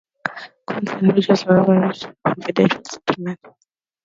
Koons and Rogers, however, reached a confidential settlement.